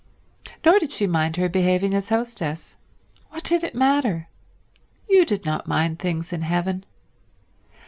Nor did she mind her behaving as hostess. What did it matter? You did not mind things in heaven.